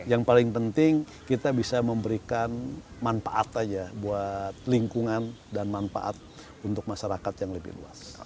yang paling penting kita bisa memberikan manfaat aja buat lingkungan dan manfaat untuk masyarakat yang lebih luas